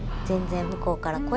全然向こうから。